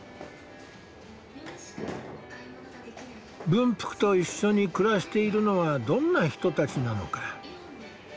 文福と一緒に暮らしているのはどんな人たちなのか。